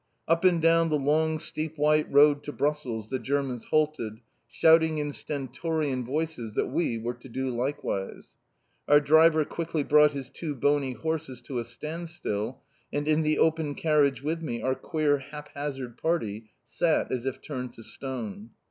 Up and down the long steep white road to Brussels the Germans halted, shouting in stentorian voices that we were to do likewise. Our driver quickly brought his two bony horses to a standstill, and in the open carriage with me our queer haphazard party sat as if turned to stone.